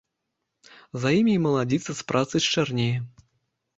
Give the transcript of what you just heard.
За ім і маладзіца з працы счарнее.